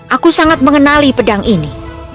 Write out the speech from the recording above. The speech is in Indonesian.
aku sangat mengenali pedang ini